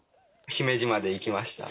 姫路まで行きました。